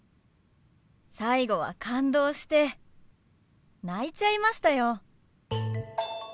最後は感動して泣いちゃいましたよ。